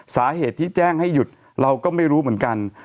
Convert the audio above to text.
สาเหตุที่แจ้งให้หยุดเราก็ไม่รู้เหมือนกัน